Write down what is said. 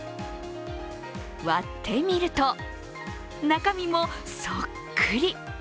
割ってみると、中身もそっくり。